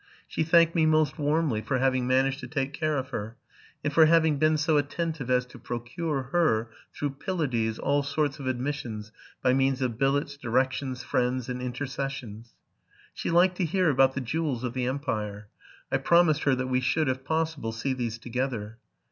She thanked me most warmly for having man aged to take care of her, and for having been so attentive as to procure her, through Pylades, all sorts of admissions by means of billets, directions, friends, and intercessions. She liked to hear about the jewels of the empire. I prom ised her that we should, if possible, see these together.